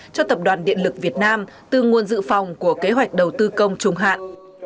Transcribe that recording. cho tập đoàn điện lực việt nam từ nguồn dự phòng của kế hoạch đầu tư công trung hạn